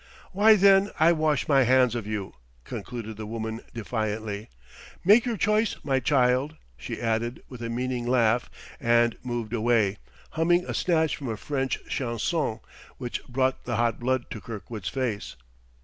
"Why, then, I wash my hands of you," concluded the woman defiantly. "Make your choice, my child," she added with a meaning laugh and moved away, humming a snatch from a French chanson which brought the hot blood to Kirkwood's face.